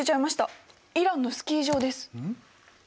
イランのスキー場です。